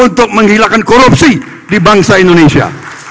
untuk menghilangkan korupsi di bangsa indonesia